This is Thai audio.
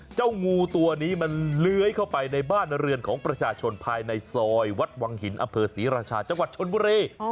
เจ้างูตัวนี้มันเลื้อยเข้าไปในบ้านเรือนของประชาชนภายในซอยวัดวังหินอำเภอศรีราชาจังหวัดชนบุรี